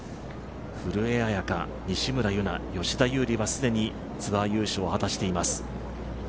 古江彩佳、西村優菜、吉田優利は既にツアー優勝を果たしています。